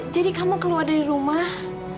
jadi kamu keluar dari rumah